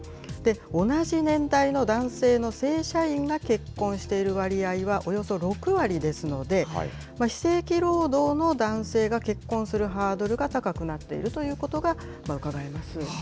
同じ年代の男性の正社員が結婚している割合はおよそ６割ですので、非正規労働の男性が結婚するハードルが高くなっているということがうかがえます。